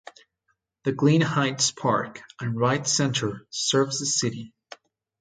The Glenn Heights Park and Ride Center serves the city.